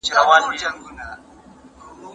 زه به سبا د ورزش کولو تمرين کوم وم.